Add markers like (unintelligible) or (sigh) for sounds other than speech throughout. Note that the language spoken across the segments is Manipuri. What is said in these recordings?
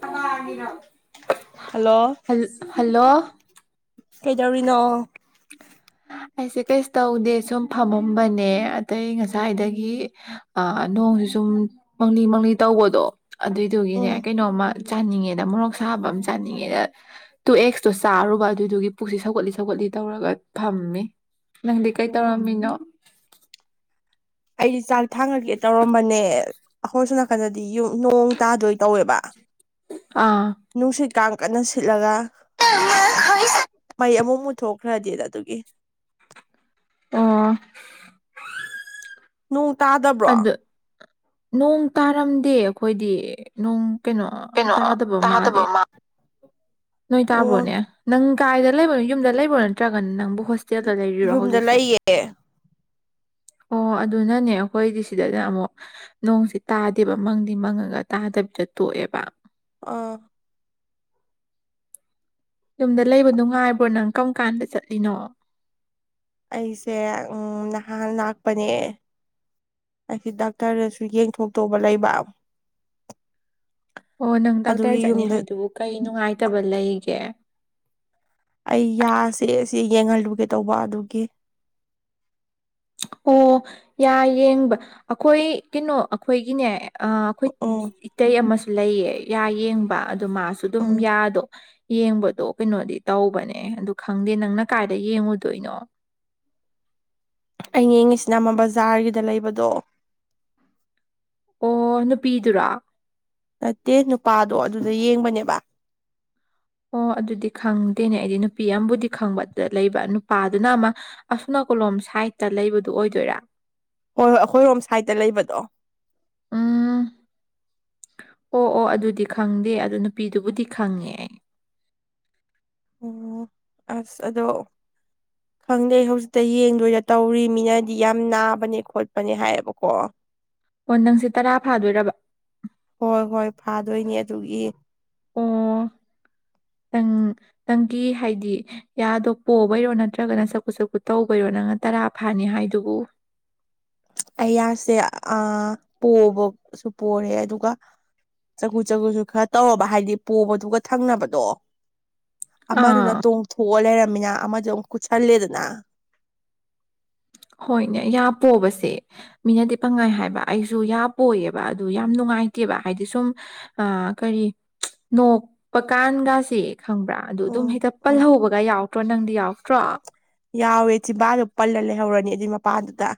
ꯀꯅꯥꯒꯤꯅꯣ ꯍꯜꯂꯣ ꯍꯜ ꯍꯜꯂꯣ ꯀꯩꯗꯧꯔꯤꯅꯣ ꯑꯩꯁꯦ ꯀꯩꯁꯨ ꯇꯧꯗꯦ ꯁꯨꯝ ꯐꯝꯃꯝꯕꯅꯦ ꯑꯗꯩ ꯉꯁꯥꯏꯗꯒꯤ ꯑ ꯅꯣꯡꯖꯤ ꯁꯨꯝ ꯃꯪꯂꯤ ꯃꯪꯂꯤ ꯇꯧꯕꯗꯣ ꯑꯗꯨꯏꯗꯨꯒꯤꯅꯦ ꯎꯝ ꯀꯩꯅꯣꯝꯃ ꯆꯥꯅꯤꯡꯉꯦꯅ ꯃꯣꯔꯣꯛ ꯁꯥꯕ ꯑꯃ ꯆꯥꯅꯤꯡꯉꯦꯅ ꯇꯨ ꯑꯦꯛꯁꯇꯣ ꯆꯥꯔꯨꯕ ꯑꯗꯨꯏꯗꯨꯒꯤ ꯄꯨꯛꯁꯤ ꯁꯧꯒꯠꯂꯤ ꯁꯧꯒꯠꯂꯤ ꯇꯧꯔꯒ ꯐꯝꯃꯤ ꯅꯪꯗꯤ ꯀꯩ ꯇꯧꯔꯝꯃꯤꯅꯣ ꯑꯩꯗꯤ ꯆꯥꯛ ꯊꯥꯡꯉꯛꯒꯦ ꯇꯧꯔꯝꯕꯅꯦ ꯑꯈꯣꯏꯁꯨ ꯁꯣꯝ ꯅꯥꯀꯟꯗꯗꯤ ꯌꯨ ꯅꯣꯡ ꯇꯥꯗꯣꯏ ꯇꯧꯋꯦꯕ ꯑꯥ ꯅꯨꯡꯁꯤꯠ ꯀꯥꯡ ꯀꯟꯅ ꯁꯤꯠꯂꯒ (unintelligible) ꯃꯩ ꯑꯃꯨꯛ ꯃꯨꯠꯊꯣꯛꯈ꯭ꯔꯗꯤꯅ ꯑꯗꯨꯒꯤ ꯑꯣ (unintelligible) ꯅꯣꯡ ꯇꯥꯗꯕ꯭ꯔꯣ ꯑꯗꯨ ꯅꯣꯡ ꯇꯥꯔꯝꯗꯦ ꯑꯩꯈꯣꯏꯗꯤ ꯅꯣꯡ ꯀꯩꯅꯣ ꯀꯩꯅꯣ ꯇꯥꯗꯕ ꯃꯥꯜꯂꯦ ꯃꯥ ꯅꯣꯏ ꯑꯣ ꯇꯥꯕ꯭ꯔꯣꯅꯦ ꯅꯪ ꯀꯥꯏꯗ ꯂꯩꯕꯅꯣ ꯌꯨꯝꯗ ꯂꯩꯕ꯭ꯔꯅꯦ ꯇ꯭ꯔꯒꯅ ꯅꯪꯕꯨ ꯍꯣꯁꯇꯦꯜꯗ ꯂꯩꯔꯤꯔꯣ ꯌꯨꯝꯗ ꯍꯧꯖꯤꯛꯁꯦ ꯂꯩꯌꯦ ꯑꯣ ꯑꯗꯨꯅꯅꯦ ꯑꯩꯈꯣꯏꯗꯤ ꯁꯤꯗꯅ ꯑꯃꯨꯛ ꯅꯣꯡꯁꯤ ꯇꯥꯗꯦꯕ ꯃꯪꯗꯤ ꯃꯪꯉꯒ ꯇꯥꯗꯕꯤꯗ ꯇꯣꯛꯑꯦꯕ ꯑꯥ ꯌꯨꯝꯗ ꯂꯩꯕ ꯅꯨꯡꯉꯥꯏꯕ꯭ꯔꯣ ꯅꯪ ꯀꯔꯝ ꯀꯥꯟꯗ ꯆꯠꯂꯤꯅꯣ ꯑꯩꯁꯦ ꯎꯝ ꯅꯍꯥꯟ ꯂꯥꯛꯄꯅꯦ ꯑꯩꯒꯤ ꯗꯥꯛꯇꯔꯗꯁꯨ ꯌꯦꯡꯊꯣꯛꯇꯧꯕ ꯂꯩꯕ ꯑꯣ ꯅꯪ ꯑꯗꯨꯒꯤ ꯗꯥꯛꯇꯔ ꯆꯠꯅꯤ ꯌꯨꯝꯗ ꯍꯥꯏꯗꯨꯕꯨ ꯀꯩ ꯅꯨꯡꯉꯥꯏꯇꯕ ꯂꯩꯒꯦ ꯑꯩ ꯌꯥ ꯆꯤꯛꯑꯦ ꯑꯁꯤ ꯌꯦꯡꯍꯜꯂꯨꯒꯦ ꯇꯧꯕ ꯑꯗꯨꯒꯤ ꯑꯣ ꯌꯥ ꯌꯦꯡꯕ ꯑꯈꯣꯏ ꯀꯩꯅꯣ ꯑꯩꯈꯣꯏꯒꯤꯅꯦ ꯑ ꯑꯈꯣꯏ ꯎꯝ ꯏꯇꯩ ꯑꯃꯁꯨ ꯂꯩꯌꯦ ꯌꯥ ꯌꯦꯡꯕ ꯑꯗꯨ ꯃꯥꯁꯨ ꯑꯗꯨꯝ ꯎꯝ ꯌꯥꯗꯣ ꯌꯦꯡꯕꯗꯣ ꯀꯩꯅꯣꯗꯤ ꯇꯧꯕꯅꯦ ꯑꯗꯨ ꯈꯪꯗꯦ ꯅꯪꯅ ꯀꯥꯏꯗ ꯌꯦꯡꯉꯨꯗꯣꯏꯅꯣ ꯑꯩ ꯌꯦꯡꯉꯤꯁꯤꯅ ꯑꯃ ꯕꯖꯥꯔꯒꯤꯗ ꯂꯩꯕꯗꯣ ꯑꯣ ꯅꯨꯄꯤꯗꯨꯔꯣ ꯅꯠꯇꯦ ꯅꯨꯄꯥꯗꯣ ꯑꯗꯨꯗ ꯌꯦꯡꯕꯅꯦꯕ ꯑꯣ ꯑꯗꯨꯗꯤ ꯈꯪꯗꯦꯅꯦ ꯑꯩꯗꯤ ꯅꯨꯄꯤ ꯑꯝꯕꯨꯗꯤ ꯈꯪꯕ ꯑꯗꯨꯗ ꯂꯩꯕ ꯅꯨꯄꯥꯗꯨꯅ ꯑꯃ ꯑꯁꯨꯝ ꯅꯥꯀꯜꯂꯣꯝ ꯁꯥꯏꯗꯇ ꯂꯩꯕꯗꯣ ꯑꯣꯏꯗꯣꯏꯔ ꯍꯣꯏ ꯍꯣꯏ ꯑꯈꯣꯏꯔꯣꯝ ꯁꯥꯏꯗꯇ ꯂꯩꯕꯗꯣ ꯎꯝ ꯑꯣ ꯑꯣ ꯑꯗꯨꯗꯤ ꯈꯪꯗꯦ ꯑꯗꯨ ꯅꯨꯄꯤꯗꯨꯕꯨꯗꯤ ꯈꯪꯉꯦ ꯑꯩ ꯑꯣ ꯑꯁ ꯑꯗꯣ (inaudible) ꯈꯪꯗꯦ ꯍꯧꯖꯤꯛꯇ ꯌꯦꯡꯗꯣꯏꯗ ꯇꯧꯔꯤ ꯃꯤꯅꯗꯤ ꯌꯥꯝ ꯅꯥꯕꯅꯦ ꯈꯣꯠꯄꯅꯦ ꯍꯥꯏꯌꯦꯕꯀꯣ ꯑꯣ ꯅꯪꯁꯦ ꯇꯔꯥ ꯐꯥꯗꯣꯏꯔꯕ ꯍꯣꯏ ꯍꯣꯏ ꯐꯥꯗꯣꯏꯅꯦ ꯑꯗꯨꯒꯤ ꯑꯣ ꯅꯪ ꯅꯪꯒꯤ ꯍꯥꯏꯗꯤ ꯌꯥꯗꯣ ꯄꯣꯕꯩꯔꯣ ꯅꯠꯇ꯭ꯔꯒꯅ ꯆꯐꯨꯠ ꯆꯐꯨꯠ ꯇꯧꯕꯩꯔꯣ ꯅꯪꯅ ꯇꯔꯥ ꯐꯥꯅꯤ ꯍꯥꯏꯗꯨꯕꯨ ꯑꯩ ꯌꯥꯁꯦ ꯑ ꯄꯣꯕꯁꯨ ꯄꯣꯔꯦ ꯑꯗꯨꯒ ꯆꯒꯨ ꯆꯒꯨꯁꯨ ꯈꯔ ꯇꯧꯔꯕ ꯍꯥꯏꯗꯤ ꯄꯣꯕꯗꯨꯒ ꯊꯪꯅꯕꯗꯣ ꯑꯥ ꯑꯃꯗꯨꯅ ꯇꯣꯡꯊꯣꯛꯑ ꯂꯩꯔꯝꯃꯤꯅ ꯑꯃꯖꯦ ꯑꯃꯨꯛ ꯀꯨꯠꯁꯜꯂꯦꯗꯅ ꯍꯣꯏꯅꯦ ꯌꯥ ꯄꯣꯕꯁꯦ ꯃꯤꯅꯗꯤ ꯄꯪꯍꯥꯏ ꯍꯥꯏꯕ ꯑꯩꯁꯨ ꯌꯥ ꯄꯣꯏꯌꯦꯕ ꯑꯗꯨ ꯌꯥꯝ ꯅꯨꯡꯉꯥꯏꯇꯦꯕ ꯍꯥꯏꯗꯤ ꯁꯨꯝ ꯑ ꯀꯔꯤ ꯅꯣꯛꯄꯀꯥꯟꯒꯥꯁꯤ ꯈꯪꯕ꯭ꯔꯥ ꯑꯗꯨ ꯑꯗꯨꯝ ꯎꯝ ꯍꯦꯛꯇ ꯎꯝ ꯄꯜꯍꯧꯕꯒ ꯌꯥꯎꯇ꯭ꯔꯣ ꯅꯪꯗꯤ ꯌꯥꯎꯇ꯭ꯔꯣ ꯌꯥꯎꯋꯦ ꯆꯤꯕꯥꯟꯗꯣ ꯄꯜꯂ ꯂꯩꯍꯧꯔꯅꯤ ꯑꯗꯨꯏ ꯃꯄꯥꯗꯨꯗ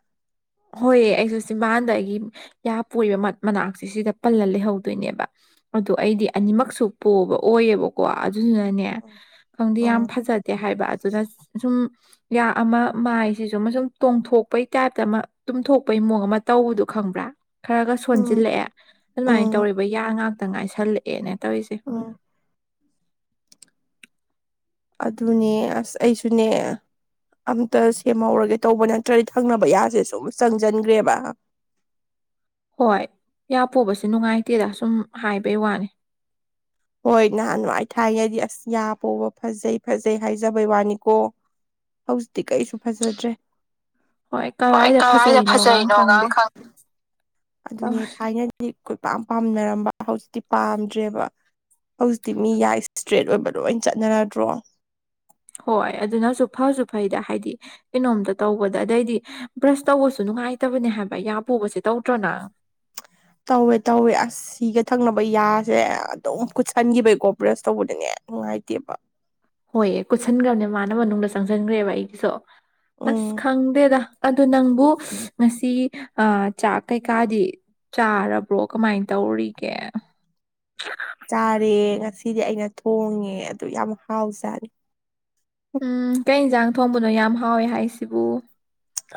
ꯍꯣꯏꯌꯦ ꯑꯩꯁꯨ ꯆꯤꯝꯕꯥꯟꯗ ꯑꯩꯒꯤ ꯌꯥ ꯄꯣꯏ (unintelligible) ꯃꯅꯥꯛꯁꯦ ꯁꯤꯗ ꯄꯜꯂ ꯂꯩꯍꯧꯗꯣꯏꯅꯦꯕ ꯑꯗꯨ ꯑꯩꯗꯤ ꯑꯅꯤꯃꯛꯁꯨ ꯄꯣꯕ ꯑꯣꯏꯌꯦꯕꯀꯣ ꯑꯗꯨꯗꯨꯅꯅꯦ ꯎꯝ ꯈꯪꯗꯦ ꯌꯥꯝ ꯎꯝ ꯐꯖ ꯗꯦ ꯍꯥꯏꯕ ꯑꯗꯨꯅ ꯁꯨꯝ ꯌꯥ ꯑꯃ ꯃꯥꯏꯁꯤꯁꯨ ꯑꯃ ꯁꯨꯝ ꯇꯣꯡꯊꯣꯛꯄꯩ ꯇꯥꯏꯞꯇ ꯑꯃ ꯇꯨꯝꯊꯣꯛꯄꯩ ꯃꯑꯣꯡ ꯑꯃ ꯇꯧꯕꯗꯨ ꯈꯪꯕ꯭ꯔꯥ ꯈꯔꯒ ꯎꯝ ꯁꯣꯟꯖꯤꯜꯂꯛꯑꯦ ꯑꯗꯨꯃꯥꯏꯅ ꯎꯝ ꯇꯧꯔꯦꯕ ꯌꯥ ꯉꯥꯛꯇ ꯉꯥꯏꯁꯜꯂꯛꯑꯦꯅꯦ ꯇꯧꯏꯁꯤ (unintelligible) ꯑꯗꯨꯅꯦ ꯑꯁ ꯑꯩꯁꯨꯅꯦ ꯑꯝꯇ ꯁꯦꯝꯍꯧꯔꯒꯦ ꯇꯧꯕ ꯅꯠꯇ꯭ꯔꯗꯤ ꯊꯪꯅꯕ ꯌꯥꯁꯦ ꯁꯨꯝ ꯆꯪꯖꯟꯒ꯭ꯔꯦꯕ ꯍꯣꯏ ꯌꯥ ꯄꯣꯕꯁꯤ ꯅꯨꯡꯉꯥꯏꯇꯦꯗ ꯁꯨꯝ ꯍꯥꯏꯕꯩ ꯋꯥꯅꯤ ꯍꯣꯏ ꯅꯍꯥꯟꯋꯥꯥꯏ ꯊꯥꯏꯅꯗꯤ ꯑꯁ ꯌꯥ ꯄꯣꯕ ꯐꯖꯩ ꯐꯖꯩ ꯍꯥꯏꯖꯕꯩ ꯋꯥꯅꯤꯀꯣ ꯍꯧꯖꯤꯛꯇꯤ ꯀꯩꯁꯨ ꯐꯖꯗ꯭ꯔꯦ ꯍꯣꯏ ꯀꯗꯥꯏꯗ ꯀꯋꯥꯏꯗ ꯐꯖꯩꯅꯣꯒ ꯈꯪꯗꯦ ꯐꯖꯩꯅꯣꯒꯥꯡ ꯈꯪ ꯑꯗꯨꯅꯦ ꯇꯧꯔꯤ ꯊꯥꯏꯅꯗꯤ ꯀꯣꯏꯄꯥꯝ ꯄꯥꯝꯅꯔꯝꯕ ꯍꯧꯖꯤꯛꯇꯤ ꯄꯥꯝꯗ꯭ꯔꯦꯕ ꯍꯧꯖꯤꯛꯇꯤ ꯃꯤ ꯌꯥ ꯏꯁꯇ꯭ꯔꯦꯠ ꯑꯣꯏꯕ ꯂꯣꯏ ꯆꯠꯅꯔꯗ꯭ꯔꯣ ꯍꯣꯏ ꯑꯗꯨꯅꯁꯨ ꯐꯁꯨ ꯐꯩꯗ ꯍꯥꯏꯗꯤ ꯀꯩꯅꯣꯝꯇ ꯇꯧꯕꯗ ꯑꯗꯩꯗꯤ ꯕ꯭ꯔꯁ ꯇꯧꯕꯁꯨ ꯅꯨꯡꯉꯥꯏꯇꯕꯅꯦ ꯍꯥꯏꯕ ꯌꯥ ꯄꯣꯕꯁꯤ ꯇꯧꯇ꯭ꯔꯣ ꯅꯪ ꯇꯧꯋꯦ ꯇꯧꯋꯦ ꯑꯁ ꯁꯤꯒ ꯊꯪꯅꯕ ꯌꯥꯁꯦ ꯑꯗꯨꯝ ꯀꯨꯠꯁꯟꯈꯤꯕꯩꯀꯣ ꯕ꯭ꯔꯁ ꯇꯧꯕꯗꯅꯦ ꯅꯨꯡꯉꯥꯏꯇꯦꯕ ꯍꯣꯏꯌꯦ ꯀꯨꯠꯁꯟꯒ꯭ꯔꯝꯅꯦ ꯃꯥꯅ ꯃꯅꯨꯡꯗ ꯆꯪꯖꯟꯒ꯭ꯔꯦꯕ ꯑꯩꯒꯤꯁꯨ ꯎꯝ ꯑꯁ ꯈꯪꯗꯦꯗ ꯑꯗꯨ ꯅꯪꯕꯨ ꯉꯁꯤ ꯑ ꯆꯥꯛ ꯀꯩꯀꯥꯗꯤ ꯆꯥꯔꯕ꯭ꯔꯣ ꯀꯃꯥꯏ ꯇꯧꯔꯤꯒꯦ ꯆꯥꯔꯦ ꯉꯁꯤꯗꯤ ꯑꯩꯅ ꯊꯣꯡꯅꯤꯡꯉꯦ ꯑꯗꯨ ꯌꯥꯝ ꯍꯥꯎꯖꯥꯠꯅꯤ ꯎꯝ ꯀꯩ ꯏꯟꯖꯥꯡ ꯊꯣꯡꯕꯅꯣ ꯌꯥꯝ ꯍꯥꯎꯋꯦ ꯍꯥꯏꯁꯤꯕꯨ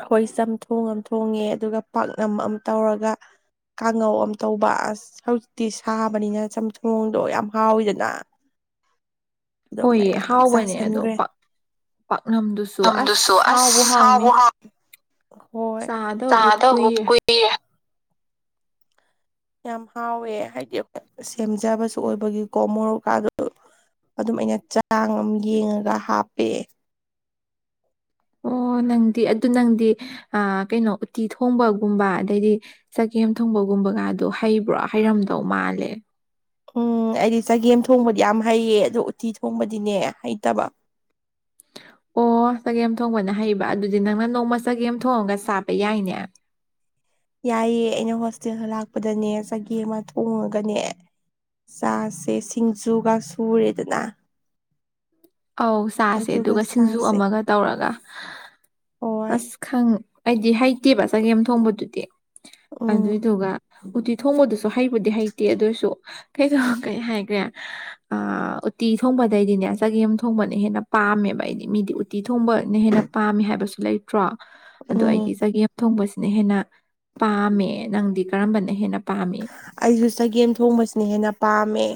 ꯍꯣꯏ ꯆꯝꯊꯣꯡ ꯑꯝ ꯊꯣꯡꯉꯦ ꯑꯗꯨꯒ ꯄꯥꯛꯅꯝ ꯑꯝ ꯇꯧꯔꯒ ꯀꯥꯡꯉꯧ ꯑꯝ ꯇꯧꯕ ꯑꯁ ꯍꯧꯖꯤꯛꯇꯤ ꯁꯥꯕꯅꯤꯅ ꯆꯝꯊꯣꯡꯗꯣ ꯌꯥꯝ ꯍꯥꯎꯋꯤꯗꯅ ꯑꯗꯣ ꯍꯣꯏꯌꯦ ꯃꯌꯥꯝ ꯍꯥꯎꯕꯅꯦ ꯑꯗꯣ ꯆꯥꯁꯟꯈ꯭ꯔꯦ ꯄꯥꯛ ꯄꯥꯛꯅꯝꯗꯨꯁꯨ ꯃꯇꯝꯗꯨꯁꯨ ꯑꯁ ꯍꯥꯎꯕꯨ ꯑꯁ ꯍꯥꯎꯅꯤ ꯍꯥꯎ ꯍꯣꯏ ꯆꯥꯗꯕꯨ ꯀꯨꯏꯔꯦ ꯌꯥꯝ ꯍꯥꯎꯋꯦ ꯍꯥꯏꯗꯤ (unintelligible) ꯁꯦꯝꯖꯕꯁꯨ ꯑꯣꯏꯕꯒꯤꯀꯣ ꯃꯣꯔꯣꯛꯀꯥꯗꯨ ꯑꯗꯨꯝ ꯑꯩꯅ ꯆꯥꯡ ꯑꯝ ꯌꯦꯡꯉꯒ ꯍꯥꯞꯄꯦ ꯑꯣ ꯅꯪꯗꯤ ꯑꯗꯨ ꯅꯪꯗꯤ ꯑ ꯀꯩꯅꯣ ꯎꯠꯇꯤ ꯊꯣꯡꯕꯒꯨꯝꯕ ꯑꯗꯩꯗꯤ ꯆꯒꯦꯝ ꯊꯣꯡꯕꯒꯨꯝꯕꯒꯗꯣ ꯍꯩꯕ꯭ꯔꯣ ꯍꯩꯔꯝꯗꯧ ꯃꯥꯜꯂꯦ ꯎꯝ ꯑꯩꯗꯤ ꯆꯒꯦꯝ ꯊꯣꯡꯕꯗꯤ ꯌꯥꯝ ꯍꯩꯌꯦ ꯑꯗꯣ ꯎꯇꯤ ꯊꯣꯡꯕꯗꯤꯅꯦ ꯍꯩꯇꯕ ꯑꯣ ꯆꯒꯦꯝ ꯊꯣꯡꯕꯅ ꯍꯩꯕ ꯑꯗꯨꯗꯤ ꯅꯪꯅ ꯅꯣꯡꯃ ꯆꯒꯦꯝ ꯊꯣꯡꯉꯒ ꯆꯥꯕ ꯌꯥꯏꯅꯦ ꯌꯥꯏꯌꯦ ꯑꯩꯅ ꯍꯣꯁꯇꯦꯜꯗ ꯂꯥꯛꯄꯗꯅꯦ ꯆꯒꯦꯝꯒ ꯊꯣꯡꯉꯒꯅꯦ ꯆꯥꯁꯦ ꯁꯤꯡꯖꯨꯒ ꯁꯨꯔꯦꯗꯅ ꯑꯧ ꯆꯥꯁꯦ ꯑꯗꯨꯒ ꯁꯤꯡꯖꯨ ꯑꯃꯒ ꯇꯧꯔꯒ ꯍꯣꯏ ꯑꯁ ꯈꯪ ꯑꯩꯗꯤ ꯍꯩꯇꯦꯕ ꯆꯒꯦꯝ ꯊꯣꯡꯕꯗꯨꯗꯤ ꯎꯝ ꯑꯗꯨꯏꯗꯨꯒ ꯎꯇꯤ ꯊꯣꯡꯕꯗꯨꯁꯨ ꯍꯩꯕꯨꯗꯤ ꯍꯩꯇꯦ ꯑꯗꯨ ꯑꯣꯏꯁꯨ ꯀꯩꯗꯣ ꯀꯩ ꯍꯥꯏꯈ꯭ꯔꯦ ꯑ ꯎꯇꯤ ꯊꯣꯡꯕꯗꯩꯗꯤꯅꯦ ꯆꯒꯦꯝ ꯊꯣꯡꯕ ꯊꯣꯡꯕꯅ ꯍꯦꯟꯅ ꯄꯥꯝꯃꯦꯕ ꯑꯩꯗꯤ ꯃꯤꯗꯤ ꯎꯇꯤ ꯊꯣꯡꯕꯅ ꯍꯦꯟꯅ ꯄꯥꯝꯃꯦ ꯍꯥꯏꯕꯁꯨ ꯂꯩ ꯇꯔꯣ ꯑꯗꯣ ꯑꯩꯗꯤ ꯎꯝ ꯆꯒꯦꯝ ꯑꯃ ꯊꯣꯡꯕꯁꯤꯅ ꯍꯦꯟꯅ ꯄꯥꯝꯃꯦ ꯅꯪꯗꯤ ꯀꯔꯝꯕꯅ ꯍꯦꯟꯅ ꯄꯥꯝꯃꯤ ꯑꯩꯁꯨ ꯆꯒꯦꯝ ꯊꯣꯡꯕꯁꯤꯅ ꯍꯦꯟꯅ ꯄꯥꯝꯃꯦ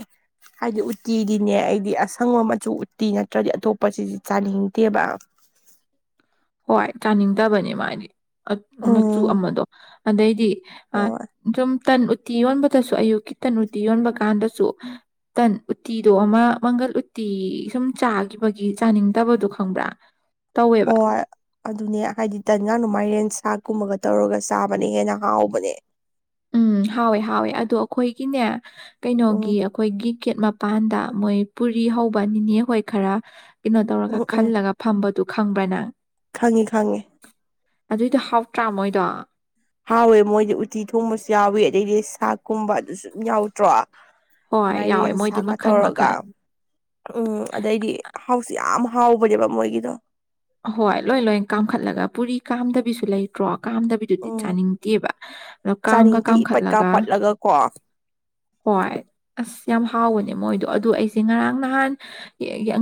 ꯍꯥꯏꯗꯤ ꯎꯠꯇꯤꯗꯤꯅꯦ ꯑꯩꯗꯤ ꯑꯁꯪꯕ ꯃꯆꯨ ꯎꯇꯤ ꯅꯠꯇ꯭ꯔꯗꯤ ꯑꯇꯣꯞꯄ ꯁꯤꯗꯤ ꯆꯥꯅꯤꯡꯗꯦꯕ ꯍꯣꯏ ꯆꯥꯅꯤꯡꯗꯕꯅꯤ ꯃꯥꯗꯤ ꯃꯆꯨ ꯎꯝ ꯑꯃꯗꯣ ꯑꯗꯩꯗꯤ ꯑ ꯍꯣꯏ ꯁꯨꯝ ꯇꯟ ꯎꯇꯤ ꯌꯣꯟꯕꯗꯁꯨ ꯑꯌꯨꯛꯀꯤ ꯇꯟ ꯎꯇꯤ ꯌꯣꯟꯕ ꯀꯥꯟꯗꯁꯨ ꯇꯟ ꯎꯇꯤꯗꯣ ꯑꯃ ꯃꯪꯒꯜ ꯎꯇꯤ ꯁꯨꯝ ꯆꯥꯈꯤꯕꯒꯤ ꯆꯥꯅꯤꯡꯗꯕꯗꯣ ꯈꯪꯕ꯭ꯔ (inaudible) ꯍꯣꯏ ꯑꯗꯨꯅꯦ ꯍꯥꯏꯗꯤ ꯇꯟꯒꯗꯨ ꯃꯥꯏꯔꯦꯟ ꯁꯥꯛꯀꯨꯝꯕꯒ ꯇꯧꯔꯒ ꯆꯥꯕꯅ ꯍꯦꯟꯅ ꯍꯥꯎꯕꯅꯦ ꯎꯝ ꯍꯥꯎꯋꯦ ꯍꯥꯎꯋꯦ ꯑꯗꯣ ꯑꯩꯈꯣꯏꯒꯤꯅꯦ ꯀꯩꯅꯣꯒꯤ ꯎꯝ ꯑꯩꯈꯣꯏꯒꯤ ꯒꯦꯠ ꯃꯄꯥꯟꯗ ꯃꯣꯏ ꯄꯨꯔꯤ ꯍꯧꯕ ꯅꯤꯅꯦ ꯍꯣꯏ ꯈꯔ ꯀꯩꯅꯣ ꯇꯧꯔꯒ ꯎꯝ ꯈꯜꯂꯒ ꯐꯝꯕꯗꯨ ꯈꯪꯕ꯭ꯔ ꯅꯪ ꯈꯪꯉꯤ ꯈꯪꯉꯤ ꯑꯗꯨꯗꯣ ꯍꯥꯎꯇ꯭ꯔ ꯃꯣꯏꯗꯣ ꯍꯥꯎꯋꯦ ꯃꯣꯏꯗꯤ ꯎꯇꯤ ꯊꯣꯡꯕꯁꯨ ꯌꯥꯎꯋꯤ ꯑꯗꯩꯗꯤ ꯁꯥꯛꯀꯨꯝꯕ ꯑꯗꯨꯁꯨ ꯑꯗꯨꯝ ꯌꯥꯎꯗ꯭ꯔꯣ ꯍꯣꯏ ꯌꯥꯎꯋꯦ ꯃꯥꯏꯔꯦꯟ ꯃꯣꯏꯗꯤ ꯁꯥꯛꯀ ꯃꯈꯟ ꯇꯧꯔꯒ ꯃꯈꯟ ꯎꯝ ꯑꯗꯩꯗꯤ ꯍꯥꯎꯁꯨ ꯌꯥꯝ ꯍꯥꯎꯕꯅꯦꯕ ꯃꯣꯏꯒꯤꯗꯣ ꯍꯣꯏ ꯂꯣꯏ ꯂꯣꯏ ꯀꯥꯝꯈꯠꯂꯒ ꯄꯨꯔꯤ ꯀꯥꯝꯗꯕꯤꯁꯨ ꯂꯩꯇ꯭ꯔꯣ ꯀꯥꯝꯗꯕꯤ ꯑꯗꯨꯗꯤ ꯎꯝ ꯆꯥꯅꯤꯡꯗꯦꯕ ꯑꯗꯣ ꯀꯥꯝꯒ ꯆꯥꯅꯤꯡꯇꯤ ꯏꯄꯠꯀ ꯀꯥꯝꯈꯠꯂꯒ ꯄꯠꯂꯒ ꯀꯣ ꯍꯣꯏ ꯑꯁ ꯌꯥꯝ ꯍꯥꯎꯕꯅꯦ ꯃꯣꯏꯗꯣ ꯑꯗꯨ ꯑꯩꯁꯦ ꯉꯔꯥꯡ ꯅꯍꯥꯟ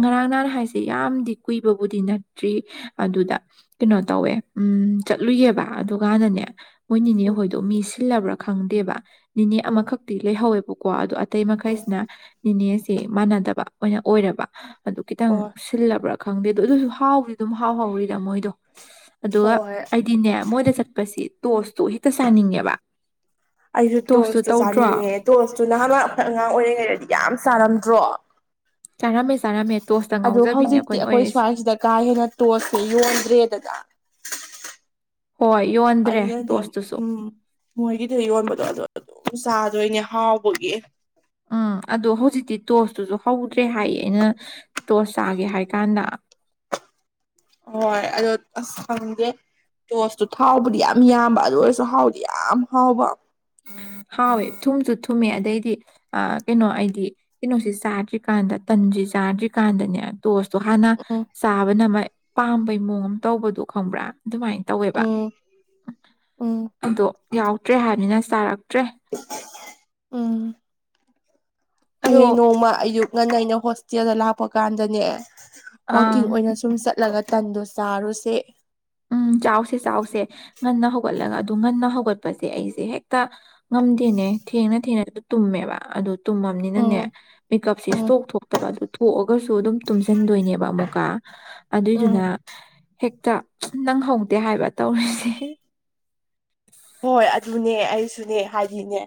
ꯉꯔꯥꯡ ꯅꯍꯥꯟ ꯍꯥꯏꯁꯦ ꯌꯥꯝꯗꯤ ꯀꯨꯏꯕꯕꯨꯗꯤ ꯅꯠꯇ꯭ꯔꯤ ꯑꯗꯨꯗ ꯀꯩꯅꯣ ꯇꯧꯋꯦ ꯎꯝ ꯆꯠꯂꯨꯏꯌꯦꯕ ꯑꯗꯨꯀꯥꯟꯗꯅꯦ ꯃꯣꯏ ꯎꯝ ꯅꯤꯅꯦꯍꯣꯏꯗꯣ ꯃꯤ ꯁꯤꯜꯂꯕ꯭ꯔ ꯈꯪꯗꯦꯕ ꯅꯤꯅꯦ ꯎꯝ ꯑꯃꯈꯛꯇꯤ ꯂꯩꯍꯧꯋꯦꯕꯀꯣ ꯑꯗꯨ ꯑꯇꯩ ꯎꯝ ꯃꯈꯩꯁꯤꯅ ꯅꯤꯅꯦꯁꯦ ꯃꯥꯟꯅꯗꯕ ꯑꯣꯏꯅ ꯑꯣꯏꯔꯕ ꯑꯗꯨ ꯈꯤꯇꯪ ꯍꯣꯏ ꯁꯤꯜꯂꯕ꯭ꯔ ꯈꯪꯗꯦ ꯑꯗꯨꯗꯣ ꯑꯗꯨꯁꯨ ꯍꯥꯎꯗꯤ ꯑꯗꯨꯝ ꯍꯥꯎꯍꯧꯔꯤꯗ ꯃꯣꯏꯗꯣ ꯑꯗꯨꯒ ꯍꯣꯏ ꯑꯩꯗꯤꯅꯦ ꯃꯣꯏꯗ ꯆꯠꯄꯁꯤ ꯇꯣꯁꯇꯣ ꯍꯦꯛꯇ ꯆꯥꯅꯤꯡꯉꯦꯕ ꯑꯩꯁꯨ ꯇꯣꯁꯇꯨ ꯆꯥꯅꯤꯡꯉꯦ ꯇꯣꯁꯇꯨ ꯅꯍꯥꯟ ꯋꯥꯏ ꯑꯩꯈꯣꯏ ꯑꯉꯥꯡ ꯑꯣꯏꯔꯤꯉꯩꯗꯗꯤ ꯌꯥꯝ ꯆꯥꯔꯝꯗ꯭ꯔꯣ ꯆꯥꯔꯝꯃꯦ ꯆꯥꯔꯝꯃꯦ ꯇꯣꯁꯇ ꯑꯗꯨ ꯉꯥꯎꯖꯕꯤꯅꯦ ꯍꯧꯖꯤꯛꯇꯤ ꯑꯩꯈꯣꯏꯅ ꯑꯩꯈꯣꯏ ꯑꯣꯏꯔꯛꯏꯁꯦ ꯁ꯭ꯋꯥꯏꯁꯤꯗ ꯀꯥ ꯍꯦꯟꯅ ꯇꯣꯁꯁꯤ ꯌꯣꯟꯗ꯭ꯔꯦꯗꯅ ꯌꯥ ꯍꯣꯏ ꯌꯣꯟ ꯑꯗꯨꯅꯅꯦ ꯎꯝ ꯃꯣꯏꯒꯤꯗꯣ ꯌꯣꯟꯕꯗꯣ ꯑꯗꯨ ꯑꯗꯨꯝ ꯆꯥꯗꯣꯏꯅꯦ ꯍꯥꯎꯕꯒꯤ ꯎꯝ ꯑꯗꯣ ꯍꯧꯖꯤꯛꯇꯤ ꯇꯣꯁꯇꯨꯁꯨ ꯍꯧꯗ꯭ꯔꯦ ꯍꯥꯏꯌꯦ ꯑꯩꯅ ꯇꯣꯁ ꯆꯥꯒꯦ ꯍꯥꯏ ꯀꯥꯟꯗ ꯍꯣꯏ ꯑꯗꯣ ꯈꯪꯗꯦ ꯇꯣꯁꯇꯨ ꯊꯥꯎꯕꯨꯗꯤ ꯌꯥꯝ ꯌꯥꯝꯕ ꯑꯗꯨ ꯑꯣꯏꯔꯁꯨ ꯍꯥꯎꯗꯤ ꯌꯥꯝ ꯍꯥꯎꯕ ꯍꯥꯎꯋꯦ ꯊꯨꯝꯁꯨ ꯊꯨꯝꯃꯦ ꯑꯗꯩꯗꯤ ꯑ ꯀꯩꯅꯣ ꯑꯩꯗꯤ ꯀꯩꯅꯣꯁꯤ ꯆꯥꯗ꯭ꯔꯤꯀꯥꯟꯗ ꯇꯟꯁꯦ ꯆꯥꯗ꯭ꯔꯤꯀꯥꯟꯗꯅꯦ ꯇꯣꯁꯇꯣ ꯍꯥꯟꯅ ꯎꯝ ꯆꯥꯕꯅ ꯃꯥꯏ ꯄꯥꯝꯕꯩ ꯃꯑꯣꯡ ꯑꯝ ꯇꯧꯕꯗꯣ ꯈꯪꯕ꯭ꯔꯥ ꯑꯗꯨꯃꯥꯏꯟ ꯇꯧꯋꯦꯕ ꯎꯝ ꯎꯝ ꯑꯗꯣ ꯌꯥꯎꯗ꯭ꯔꯦ ꯍꯥꯏꯕꯅꯤꯅ ꯆꯥꯔꯛꯇ꯭ꯔꯦ (unintelligible) ꯎꯝ ꯑꯗꯣ ꯍꯌꯦꯡ ꯅꯣꯡꯃ ꯑꯌꯨꯛ ꯉꯟꯅ ꯑꯩꯅ ꯍꯣꯁꯇꯦꯜꯗ ꯂꯥꯛꯄ ꯀꯥꯟꯗꯅꯦ ꯑꯪ ꯋꯥꯀꯤꯡ ꯑꯣꯏꯅ ꯁꯨꯝ ꯆꯠꯂꯒ ꯇꯟꯗꯣ ꯆꯥꯔꯨꯁꯦ ꯎꯝ ꯆꯥꯎꯁꯦ ꯆꯥꯎꯁꯦ ꯉꯟꯅ ꯍꯧꯒꯠꯂꯒ ꯑꯗꯨ ꯉꯟꯅ ꯍꯧꯒꯠꯄꯁꯦ ꯑꯩꯁꯦ ꯍꯦꯛꯇ ꯉꯝꯗꯦꯅꯦ ꯊꯦꯡꯅ ꯊꯦꯡꯅ ꯗꯨ ꯇꯨꯝꯃꯦꯕ ꯑꯗꯨ ꯇꯨꯝꯃꯝꯅꯤꯅꯅꯦ ꯎꯝ ꯃꯤꯀꯞꯁꯦ ꯎꯝ ꯁ꯭ꯊꯣꯛ ꯊꯣꯛꯇꯕ ꯑꯗꯨ ꯊꯣꯛꯑꯒꯁꯨ ꯑꯗꯨꯝ ꯇꯨꯝꯖꯟꯗꯣꯏꯅꯦꯕ ꯑꯃꯨꯛꯀ ꯎꯝ ꯑꯗꯨꯗꯨꯅ ꯍꯦꯛꯇ ꯅꯪꯍꯧꯗꯦ ꯍꯥꯏꯕ ꯇꯧꯔꯤꯁꯦ (unintelligible) ꯍꯣꯏ ꯑꯗꯨꯅꯦ ꯑꯩꯁꯨꯅꯦ ꯍꯥꯏꯗꯤꯅꯦ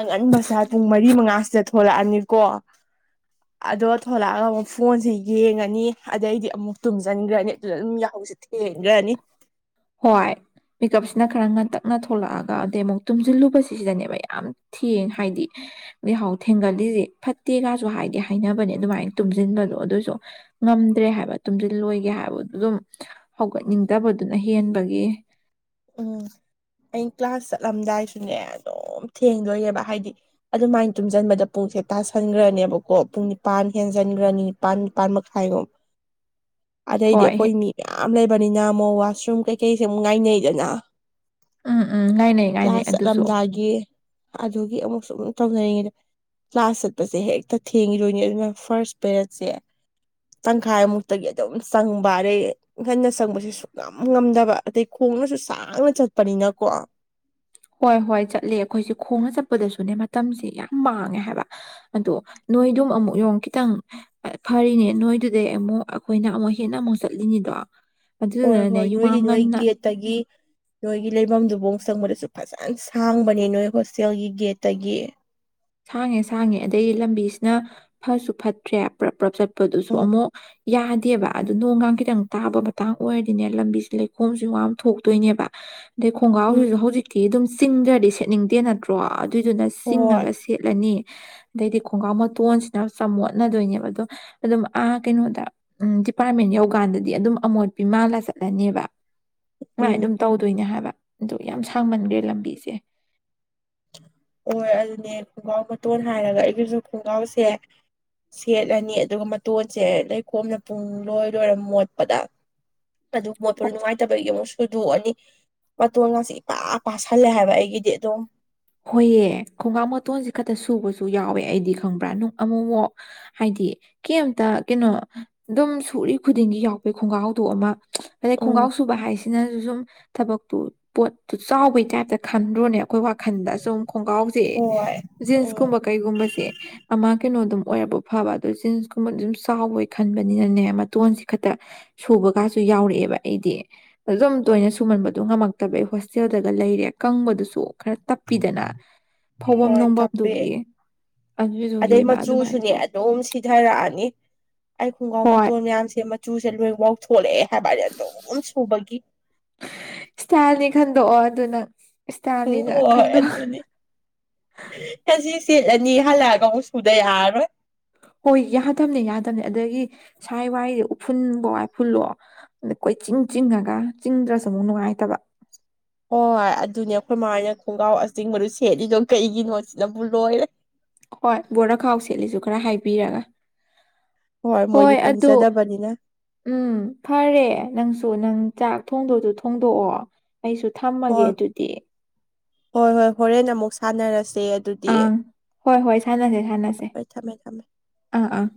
ꯑꯉꯟꯕꯁꯦ ꯄꯨꯡ ꯃꯔꯤ ꯃꯉꯥꯁꯤꯗ ꯊꯣꯔꯛꯑꯅꯤꯀꯣ (inaudible) ꯑꯗꯣ ꯊꯣꯂꯛꯑꯒ ꯑꯃꯨꯛ ꯐꯣꯟꯁꯤ ꯌꯦꯡꯉꯅꯤ ꯑꯗꯩꯗꯤ ꯑꯃꯨꯛ ꯇꯨꯝꯖꯟꯒ꯭ꯔꯅꯤ ꯑꯗ ꯑꯗꯨꯝ ꯌꯥꯍꯧꯁꯤ ꯊꯦꯡꯒ꯭ꯔꯅꯤ ꯍꯣꯏ ꯃꯤꯀꯞꯁꯤꯅ ꯈꯔ ꯉꯟꯇꯛꯅ ꯊꯣꯛꯂꯛꯑꯒ ꯑꯗꯩ ꯑꯃꯨꯛ ꯇꯨꯝꯖꯤꯜꯂꯨꯕꯁꯤꯗꯅꯦꯕ ꯌꯥꯝ ꯊꯦꯡ ꯍꯥꯏꯗꯤ ꯌꯥꯍꯧ ꯊꯦꯡꯒꯜꯂꯤꯖꯦ ꯐꯠꯇꯦꯒꯥꯖꯨ ꯍꯥꯏꯗꯤ ꯍꯥꯏꯅꯕꯅꯦ ꯑꯗꯨꯃꯥꯏꯅ ꯇꯨꯝꯖꯤꯟꯕꯗꯣ ꯑꯗꫭꯏꯁꯨ ꯉꯝꯗ꯭ꯔꯦ ꯍꯥꯏꯕ ꯇꯨꯝꯖꯤꯜꯂꯣꯏꯒꯦ ꯍꯥꯏꯕꯗꯨ ꯑꯗꯨꯝ ꯍꯧꯒꯠꯅꯤꯡꯗꯕꯗꯨꯅ ꯍꯦꯟꯕꯒꯤ ꯎꯝ ꯑꯩ ꯀ꯭ꯂꯥꯁ ꯆꯠꯂꯝꯗꯥꯏꯁꯨꯅꯦ ꯑꯗꯨꯝ ꯊꯦꯡꯗꯣꯏꯅꯦꯕ ꯍꯥꯏꯗꯤ ꯑꯗꯨꯃꯥꯏꯟ ꯇꯨꯝꯖꯟꯕꯗ ꯄꯨꯡꯁꯦ ꯇꯥꯁꯟꯒ꯭ꯔꯅꯦꯕꯀꯣ ꯄꯨꯡ ꯅꯤꯄꯥꯟ ꯍꯦꯟꯖꯟꯒ꯭ꯔꯅꯤ ꯅꯤꯄꯥꯟ ꯅꯤꯄꯥꯥꯟ ꯃꯈꯥꯏ ꯔꯣꯝ (inaudible) ꯑꯗꯩꯗꯤ ꯍꯣꯏ ꯑꯩꯈꯣꯏ ꯍꯦ- ꯃꯤ ꯃꯌꯥꯝ ꯂꯩꯕꯅꯤꯅ ꯃꫭ ꯋꯥꯁꯔꯨꯝ ꯀꯩꯀꯩꯁꯦ ꯑꯃꯨꯛ ꯉꯥꯏꯅꯩ ꯗꯅ ꯎꯝ ꯎꯝ ꯉꯥꯏꯅꯩ ꯉꯥꯏꯅꯩ ꯀ꯭ꯂꯥꯁ ꯑꯗꯨꯁꯨ ꯆꯠꯂꯝꯗꯥꯏꯒꯤ ꯑꯗꯨꯒꯤ ꯑꯃꯨꯛꯁꯨ ꯑꯃꯨꯛ ꯇꯧꯅꯩꯉꯩꯗ ꯀ꯭ꯂꯥꯁ ꯆꯠꯄꯁꯦ ꯍꯦꯛꯇ ꯊꯦꯡꯉꯤꯗꯣꯏꯅꯤ ꯑꯗꯨꯅ ꯐꯥꯔꯁ ꯄꯦꯔꯠꯁꯦ ꯇꯪꯈꯥꯏꯃꯨꯛꯇꯒꯤ ꯑꯗꯨꯝ ꯆꯪꯕ ꯑꯗꯩ ꯉꯟꯅ ꯆꯪꯕꯁꯦ ꯁꯨꯛꯉꯝ ꯉꯝꯗꯕ ꯑꯗꯩ ꯈꯣꯡꯅꯁꯨ ꯁꯥꯡꯅ ꯆꯠꯄꯅꯤꯅꯀꯣ ꯍꯣꯏ ꯍꯣꯏ ꯆꯠꯂꯦ ꯑꯩꯈꯣꯏꯁꯦ ꯈꯣꯡꯅ ꯆꯠꯄꯗꯁꯨꯅꯦ ꯃꯇꯝꯁꯦ ꯌꯥꯝ ꯃꯥꯡꯉꯦ ꯍꯥꯏꯕ ꯑꯗꯣ ꯅꯣꯏꯗꯨꯝ ꯑꯃꯨꯛ ꯌꫭꯡ ꯈꯤꯇꯪ ꯑ ꯐꯔꯤꯅꯦ ꯅꯣꯏꯗꯨꯗꯩ ꯑꯃꯨꯛ ꯑꯈꯣꯏꯅ ꯑꯃꯨꯛ ꯍꯦꯟꯅ ꯑꯃꯨꯛ ꯆꯠꯂꯤꯅꯤꯗꯣ ꯑꯗꯨꯗꯨꯅꯅꯦ ꯌꯨꯋꯥꯡ ꯉꯟꯅ ꯇꯒꯤ ꯅꯣꯏꯒꯤ ꯂꯩꯕꯝꯗꯨꯕꯧ ꯆꯪꯕꯗꯁꯨ ꯐꯖꯅ ꯁꯥꯡꯕꯅꯦ ꯅꯣꯏ ꯍꯣꯁꯇꯦꯜꯒꯤ ꯒꯦꯠꯇꯒꯤ ꯁꯥꯡꯉꯦ ꯁꯥꯡꯉꯦ ꯑꯗꯒꯤ ꯂꯝꯕꯤꯁꯤꯅ ꯐꯠꯁꯨ ꯐꯠꯇ꯭ꯔꯦ ꯄ꯭ꯔꯞ ꯄ꯭ꯔꯞ ꯆꯠꯄꯗꯨꯁꯨ ꯎꯝ ꯑꯃꯨꯛ ꯌꯥꯗꯦꯕ ꯑꯗꯨ ꯅꯣꯡꯒꯥꯡ ꯈꯤꯇꯪ ꯇꯥꯕ ꯃꯇꯥꯡ ꯑꯣꯏꯔꯗꯤꯅꯦ ꯂꯝꯕꯤꯁꯦ ꯂꯩꯈꯣꯝꯁꯨ ꯌꯥꯝ ꯊꯣꯛꯇꯣꯏꯅꯦꯕ ꯑꯗꯩ ꯎꯝ ꯈꯣꯡꯒꯥꯎꯖꯤꯖꯨ ꯍꯧꯖꯤꯛꯇꯤ ꯑꯗꯨꯝ ꯆꯤꯡꯗ꯭ꯔꯗꯤ ꯁꯦꯠꯅꯤꯡꯗꯦ ꯅꯠꯇ꯭ꯔꯣ ꯑꯗꯨꯏꯗꯨꯅ ꯍꯣꯏ ꯆꯤꯡꯉꯒ ꯁ ꯁꯦꯠꯂꯅꯤ ꯑꯗꯩꯗꯤ ꯈꯣꯡꯒ꯭ꯔꯥꯎ ꯃꯇꯣꯟꯁꯤꯅ ꯆꯝ ꯃꯣꯠꯅꯗꯣꯏꯅꯦꯕ ꯑꯗꯣ ꯑꯗꯨꯝ ꯑꯥ ꯀꯩꯅꯣꯗ ꯎꯝ ꯗꯤꯄꯥꯔꯠꯃꯦꯟ ꯌꯧꯀꯥꯟꯗꯗꯤ ꯑꯗꯨꯝ ꯑꯃꯣꯠꯄꯤ ꯃꯥꯜꯂ ꯆꯠꯂꯅꯦꯕ ꯁꯨꯝꯃꯥꯏ ꯎꯝ ꯑꯗꯨꯝ ꯇꯧꯗꯣꯏꯅꯦ ꯍꯥꯏꯕ ꯑꯗꯨ ꯌꯥꯝ ꯁꯥꯡꯃꯟꯈ꯭ꯔꯦ ꯂꯝꯕꯤꯁꯦ ꯍꯣꯏ ꯑꯗꯨꯅꯦ ꯈꯣꯡꯒ꯭ꯔꯥꯎ ꯃꯇꯣꯟ ꯍꯥꯏꯔꯒ ꯑꯩꯒꯤꯁꯨ ꯈꯣꯡꯒ꯭ꯔꯥꯎꯁꯦ ꯁꯦꯠꯂꯅꯤ ꯑꯗꯨꯒ ꯃꯇꯣꯟꯁꯦ ꯂꯩꯈꯣꯝꯅ ꯄꯨꯡ ꯂꯣꯏ ꯂꯣꯏꯔꯦ ꯃꯣꯠꯄꯗꯥ ꯑꯗꯨ ꯃꯣꯠꯄꯗꯨ ꯅꯨꯡꯉꯥꯏꯇꯕꯒꯤ ꯑꯃꯨꯛ ꯁꯨꯗꯣꯛꯑꯅꯤ ꯃꯇꯣꯟ ꯒꯁꯤ ꯏꯄꯥ ꯄꯥꯥꯁꯜꯂꯦ ꯍꯥꯏꯕ ꯑꯩꯒꯤꯗꯤ ꯑꯗꯨꯝ ꯍꯣꯏꯌꯦ ꯈꯣꯡꯒꯥꯎ ꯃꯇꯣꯟꯁꯤ ꯈꯛꯇ ꯁꯨꯕꯁꯨ ꯌꯥꯎꯋꯦ ꯑꯩꯗꯤ ꯈꯪꯕ꯭ꯔꯥ ꯑꯃꯨꯛꯃꯨꯛ ꯍꯥꯏꯗꯤ ꯀꯦꯝꯇ ꯀꯩꯅꯣ ꯑꯗꯨꯝ ꯁꯨꯔꯤ ꯈꯨꯗꯤꯡꯒꯤ ꯌꯥꯎꯕꯩ ꯈꯣꯡꯒ꯭ꯔꯥꯎꯗꯣ ꯑꯃꯥ ꯍꯥꯏꯗꯤ ꯎꯝ ꯈꯣꯡꯒꯥꯎ ꯁꯨꯕ ꯍꯥꯏꯁꯤꯅꯁꯨ ꯁꯨꯝ ꯊꯕꯛꯇꯨ ꯄꯣꯠꯇꯨ ꯆꯥꯎꯕꯩ ꯇꯥꯏꯞꯇ ꯈꯟꯗ꯭ꯔꯣꯅꯦ ꯑꯩꯈꯣꯏ ꯋꯥ ꯈꯟꯗꯥ ꯑꯁꯨꯝ ꯈꯣꯡꯒ꯭ꯔꯥꯎꯁꯦ ꯍꯣꯏ ꯎꯝ ꯖꯤꯟꯁꯀꯨꯝꯕ ꯀꯩꯒꯨꯝꯕꯁꯦ ꯑꯃꯥ ꯀꯩꯅꯣꯗꯨꯝ ꯑꯣꯏꯔꯕꯥ ꯐꯕ ꯑꯗꯨ ꯖꯤꯟꯁꯀꯨꯝꯕꯗꯨ ꯑꯗꯨꯝ ꯆꯥꯎꯕꫭꯏ ꯈꯟꯕꯅꯤꯅꯅꯦ ꯃꯇꯣꯟꯁꯤ ꯈꯠꯇꯥ ꯁꯨꯕ ꯀꯥꯁꯨ ꯌꯥꯎꯔꯛꯑꯦꯕ ꯑꯩꯗꯤ ꯑꯗꯨꯝ ꯎꯝ ꯇꯣꯏꯅ ꯁꯨꯃꯟꯕꯗꯣ ꯉꯝꯃꯛꯇꯕꯩ ꯍꯣꯁꯇꯦꯜꯗꯒ ꯂꯩꯔꯦ ꯀꯪꯕꯗꯨꯁꯨ ꯈꯔꯥ ꯇꯞꯄꯤꯗꯅ ꯐꯧꯕꯝ ꯍꯣꯏ ꯇꯞꯄꯦ ꯅꯣꯝꯕꯝꯗꯨꯒꯤ ꯑꯗꯩ ꯑꯗꯨꯗꯨꯒꯤꯕ ꯑꯗꯨꯃꯥꯏ ꯃꯆꯨꯁꯨꯅꯦ ꯇꯧ ꯑꯗꯨꯝ ꯁꯤꯊꯔꯛꯑꯅꯤ ꯑꯩ ꯈꯣꯡꯒ꯭ꯔꯥꯎ ꯍꯣꯏ ꯃꯇꯣꯟ ꯃꯌꯥꯝ ꯁꯦꯝ ꯆꯨꯁꯦ ꯂꯣꯏ ꯋꯥꯎ ꯊꯣꯛꯂꯛꯑꯦ ꯍꯥꯏꯕꯗꯤ ꯑꯗꯨꯝ ꯁꯨꯕꯒꯤ ꯏꯁꯇꯥꯏꯜꯅꯤ ꯈꯟꯗꯣꯛꯑꯣ ꯑꯗꯨꯅꯥ ꯎꯝ ꯍꯣꯏ ꯑꯗꯨꯅ‌ꯦ ꯉꯁꯤ ꯁꯦꯠꯂꯅꯤ ꯍꯜꯂꯛꯑꯒꯥ ꯑꯃꯨꯛ ꯁꯨꯗ ꯌꯥꯔꯔꯣꯏ ꯍꯣꯏ ꯌꯥꯗꯝꯅꯦ ꯌꯥꯗꯝꯅꯦ ꯑꯗꯒꯤ ꯁꯥꯏ ꯋꯥꯏ ꯎꯐꯨꯟꯕꫭ ꯋꯥꯏꯐꯨꯜꯑꯣ ꯑꯗꯥ ꯀꯣꯏꯆꯤꯡ ꯆꯤꯡꯉꯒ ꯆꯤꯡꯗ꯭ꯔꯁꯨ ꯑꯃꯨꯛ ꯅꯨꯡꯉꯥꯏꯇꯕ ꯍꯣꯏ ꯑꯗꯨꯅꯦ ꯑꯩꯈꯣꯏ ꯃꯥꯍꫭꯏꯅ ꯈꯣꯡꯒ꯭ꯔꯥꯎ ꯑꯆꯤꯡꯕꯗꯨ ꯁꯦꯠꯂꯤꯗꯣ ꯀꯩꯒꯤꯅꯣ ꯁꯤꯅꯕꯨ ꯂꯣꯏꯔꯦ ꯍꯣꯏ ꯕꯣꯔꯥꯈꯥꯎ ꯁꯦꯠꯂꯤꯁꯨ ꯈꯔꯥ ꯍꯥꯏꯕꯤꯔꯛ ꯃꯣꯏꯗꯤ ꯍꯣꯏ ꯑꯗꯨ ꯈꯪꯖꯗꯕꯅꯤꯅ ꯎꯝ ꯐꯔꯦ ꯅꯪꯁꯨ ꯅꯪ ꯆꯥꯛ ꯊꯣꯡꯗꯧꯗꯣ ꯊꯣꯡꯗꯣꯛꯑꯣ ꯑꯩꯁꯨ ꯊꯝꯃꯒꯦ ꯍꯣꯏ ꯑꯗꯨꯗꯤ ꯍꯣꯏ ꯍꯣꯏ ꯍꯣꯔꯦꯟ ꯑꯃꯨꯛ ꯁꯥꯟꯅꯔꯁꯦ ꯑꯗꯨ ꯑꯪ ꯍꯣꯏ ꯍꯣꯏ ꯁꯥꯟꯅꯁꯦ ꯁꯥꯟꯅꯁꯦ ꯍꯣꯏ ꯊꯝꯃꯦ ꯊꯝꯃꯦ ꯑꯪ ꯑꯪ